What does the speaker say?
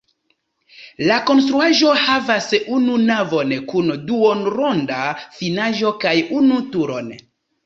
La konstruaĵo havas unu navon kun duonronda finaĵo kaj unu turon.